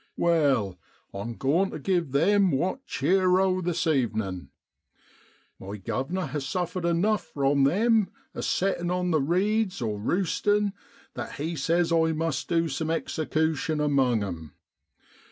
' Well, I'm goin' ter give them what cheer ! this evenin/ My guv'ner ha' suffered enough from them a settin' on the reeds or roostin', that he says I must du some execution among 'em.